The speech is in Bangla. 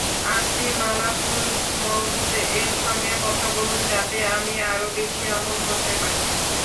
আপনি মালাকুল মউত-এর সঙ্গে কথা বলুন, যাতে আমি আরো বেশি আমল করতে পারি।